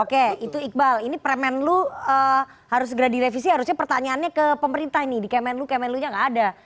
oke itu iqbal ini premen lu harus segera direvisi harusnya pertanyaannya ke pemerintah nih di kemenlu kemenlunya enggak ada